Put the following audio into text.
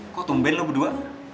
kok tumben lo berdua